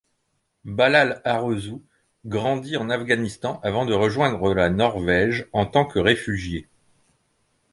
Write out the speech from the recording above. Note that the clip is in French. Balal Arezou grandit en Afghanistan avant de rejoindre la Norvège en tant que réfugié.